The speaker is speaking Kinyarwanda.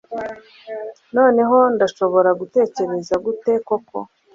Noneho ndashobora gutekereza gute koko